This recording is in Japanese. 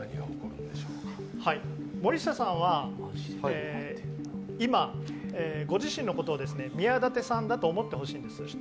森下さんは今、ご自身のことを宮舘さんだと思ってほしいんです。